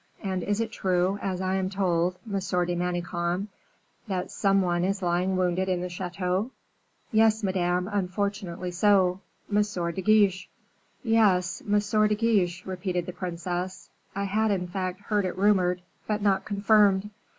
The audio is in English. and is it true, as I am told, Monsieur de Manicamp, that some one is lying wounded in the chateau?" "Yes, Madame, unfortunately so Monsieur de Guiche." "Yes, Monsieur de Guiche," repeated the princess. "I had, in fact, heard it rumored, but not confirmed.